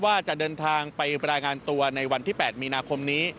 ว่าจะเดินทางไปรายงานตัวในวันที่๘มีนาคมนี้